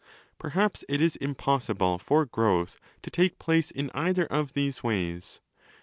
'Perhaps it is impossible for growth to take place in either of these ways.